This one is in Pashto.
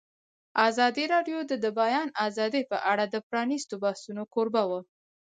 ازادي راډیو د د بیان آزادي په اړه د پرانیستو بحثونو کوربه وه.